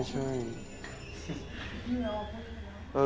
ไม่ใช่